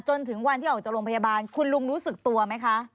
จนถึงวันที่ออกจากโรงพยาบาลคุณลุงรู้สึกตัวไหมคะ